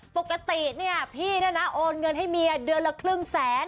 ปกติเนี่ยพี่เนี่ยนะโอนเงินให้เมียเดือนละครึ่งแสน